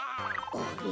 あれ？